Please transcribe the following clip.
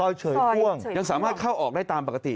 เฉยพ่วงยังสามารถเข้าออกได้ตามปกติ